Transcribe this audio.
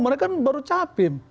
mereka kan baru capim